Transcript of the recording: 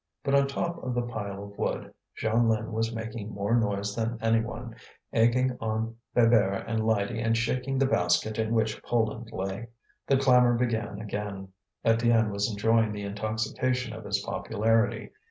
But on top of the pile of wood, Jeanlin was making more noise than any one, egging on Bébert and Lydie and shaking the basket in which Poland lay. The clamour began again. Étienne was enjoying the intoxication of his popularity.